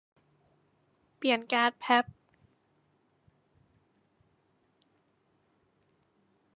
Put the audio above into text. เปลี่ยนการ์ดแพพ